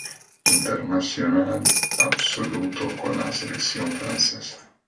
Internacional absoluto con la Selección francesa.